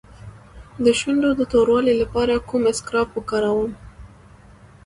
د شونډو د توروالي لپاره کوم اسکراب وکاروم؟